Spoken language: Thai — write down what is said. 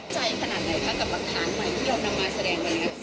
ใจขนาดไหนครับกับหลักฐานใหม่ที่นำมาแสดงกันนะครับ